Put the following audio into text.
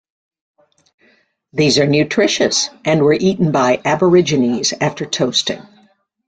These are nutritious and were eaten by Aborigines after toasting.